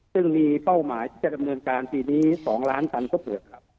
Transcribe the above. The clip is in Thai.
ซึ่งมีเป้าหมายที่จะดำเนินการปีนี้๒ล้านตันก็เปิดครับ